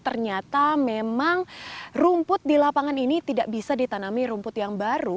ternyata memang rumput di lapangan ini tidak bisa ditanami rumput yang baru